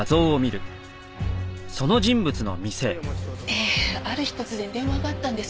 ええある日突然電話があったんです。